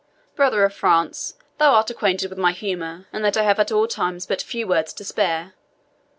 Brother of France, thou art acquainted with my humour, and that I have at all times but few words to spare.